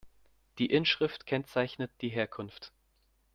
Die Inschrift kennzeichnet die Herkunft.